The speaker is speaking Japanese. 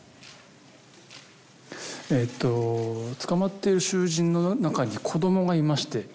えっと捕まっている囚人の中に子どもがいまして。